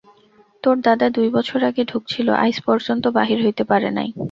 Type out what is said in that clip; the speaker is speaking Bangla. তোর দাদা দুই বছর আগে ঢুকছিল, আইজ পর্যন্ত বাহির হইতে পারে নাই।